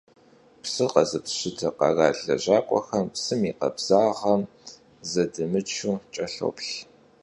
Psır khezıpşıte kheral lejak'uexer psım yi khabzağem zedımıçu ç'elhoplh.